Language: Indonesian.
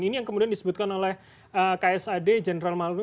ini yang kemudian disebutkan oleh ksad general malding